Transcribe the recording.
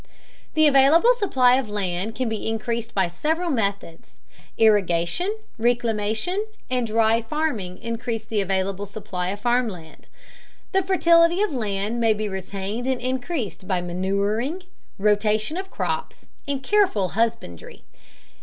The available supply of land can be increased by several methods. Irrigation, reclamation, and dry farming increase the available supply of farm land. The fertility of land may be retained and increased by manuring, rotation of crops, and careful husbandry.